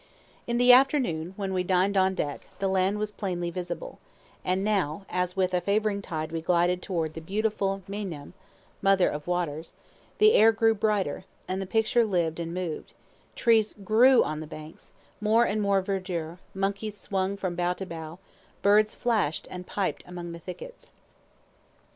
In the afternoon, when we dined on deck, the land was plainly visible; and now, as with a favoring tide we glided toward the beautiful Meinam ("Mother of Waters"), the air grew brighter, and the picture lived and moved; trees grew on the banks, more and more verdure, monkeys swung from bough to bough, birds flashed and piped among the thickets.